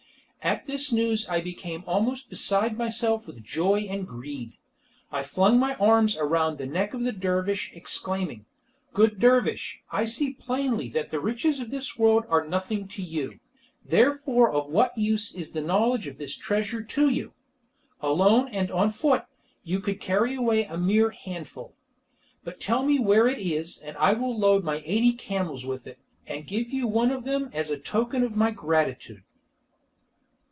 At this news I became almost beside myself with joy and greed, and I flung my arms round the neck of the dervish, exclaiming: "Good dervish, I see plainly that the riches of this world are nothing to you, therefore of what use is the knowledge of this treasure to you? Alone and on foot, you could carry away a mere handful. But tell me where it is, and I will load my eighty camels with it, and give you one of them as a token of my gratitude."